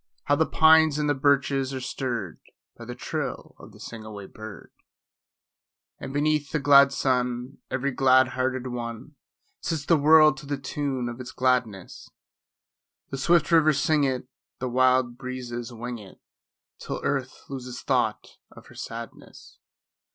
How the pines and the birches are stirred By the trill of the sing away bird! And beneath the glad sun, every glad hearted one Sets the world to the tune of its gladness; The swift rivers sing it, the wild breezes wing it, Till earth loses thought of her sadness.